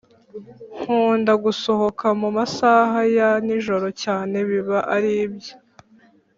nkunda gusohoka mumasaha ya ni njoro cyane biba aribyi